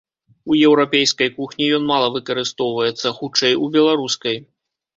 У еўрапейскай кухні ён мала выкарыстоўваецца, хутчэй, у беларускай.